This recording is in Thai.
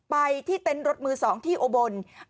ไปที่เต็นต์รถมือ๒ที่อุบลราชธานี